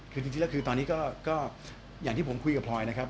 คือจริงแล้วคือตอนนี้ก็อย่างที่ผมคุยกับพลอยนะครับ